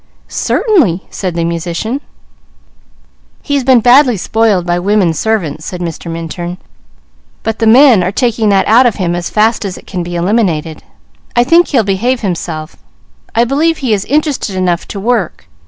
"Certainly," said the musician. "He's been badly spoiled by women servants," said Mr. Minturn, "but the men are taking that out of him as fast as it can be eliminated. I believe he is interested enough to work.